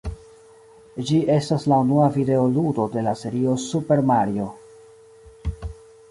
Ĝi estas la unua videoludo de la serio "Super Mario".